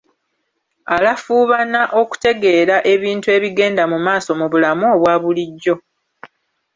Alafuubana okutegeera ebintu ebigenda mu maaso mu bulamu obwa bulijjo.